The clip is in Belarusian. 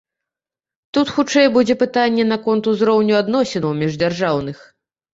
Тут, хутчэй, будзе пытанне наконт узроўню адносінаў міждзяржаўных.